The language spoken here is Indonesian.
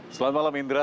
selamat malam indra